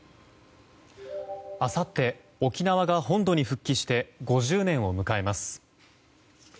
あさって沖縄が本土に復帰して５０年を迎えます。